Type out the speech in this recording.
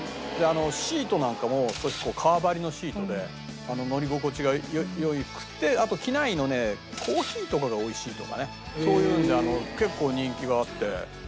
シートなんかも革張りのシートで乗り心地が良くてあと機内のねコーヒーとかが美味しいとかねそういうので結構人気があって。